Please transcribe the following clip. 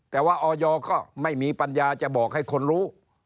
แต่ว่าออยก็ไม่มีปัญญาจะบอกให้คนรู้